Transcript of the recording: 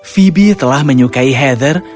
phoebe telah menyukai heather